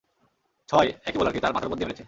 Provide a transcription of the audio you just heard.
ছয়, একই বোলারকে, তার মাথার উপর দিয়ে মেরেছে।